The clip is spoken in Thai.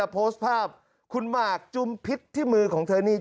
โพสต์ภาพคุณหมากจุมพิษที่มือของเธอนี่